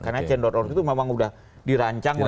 karena change org itu memang udah dirancang